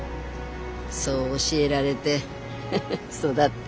そう教えられでフフ育って。